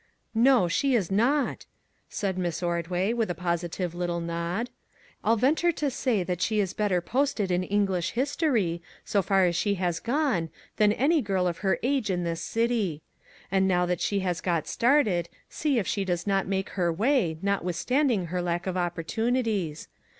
" No, she is not !" said Miss Ordway, with a positive little nod. " I'll venture to say that she is better posted in English history, so far as she has gone, than any girl of her age in this city. And now that she has got started, see if she does not make her way, notwithstanding her lack of opportunities.